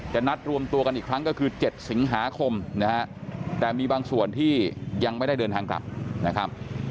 นัดรวมตัวกันอีกครั้งก็คือ๗สิงหาคมนะฮะแต่มีบางส่วนที่ยังไม่ได้เดินทางกลับนะครับ